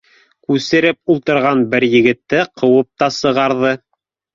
Күсереп ултырған бер егетте ҡыуып та сығарҙы.